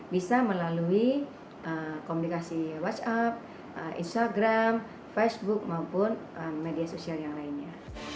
bisa melalui komunikasi whatsapp instagram facebook maupun media sosial yang lainnya